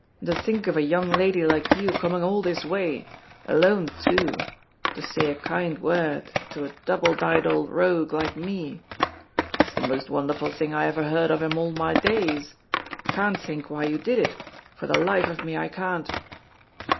And to think of a young lady like you coming all this way, alone too, to say a kind word to a double dyed old rogue like me! It's the most wonderful thing I ever heard of in all my days. I can't think why you did it, for the life of me I can't!"